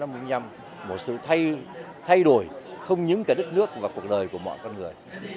mình nhầm một sự thay đổi không những cả đất nước và cuộc đời của mọi con người